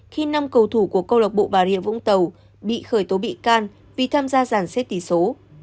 khi năm cầu thủ của câu lạc bộ bà rịa vũng tàu bị khởi tố bị can vì tham gia giản xếp tỷ số